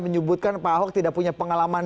menyebutkan pak ahok tidak punya pengalaman